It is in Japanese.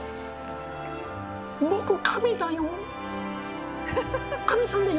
僕亀だよ。